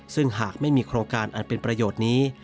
ซึ่งหากไม่มีโครงการอันเป็นประโยชน์นี้